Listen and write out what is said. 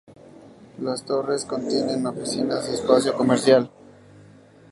Las torres contienen oficinas y espacio comercial.